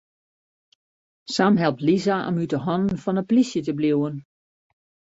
Sam helpt Lisa om út 'e hannen fan de polysje te bliuwen.